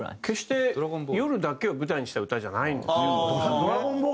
決して夜だけを舞台にした歌じゃないんですよ。